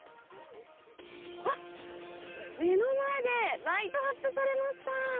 わっ、目の前でライトアップされました。